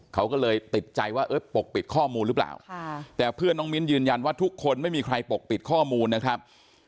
เขาก็เลยติดใจว่าปกปิดข้อมูลหรือเปล่าแต่เพื่อนน้องมิ้นยืนยันว่าทุกคนไม่มีใครปกปิดข้อมูลนะครับ